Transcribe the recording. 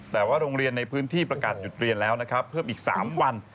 แต่ว่าโรงเรียนในพื้นที่ประกาศหยุดเรียนแล้วนะครับเพิ่มอีก๓วัน